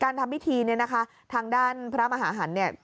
ทำพิธีเนี่ยนะคะทางด้านพระมหาหันเนี่ย